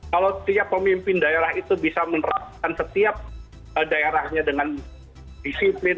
kalau setiap pemimpin daerah itu bisa menerapkan setiap daerahnya dengan disiplin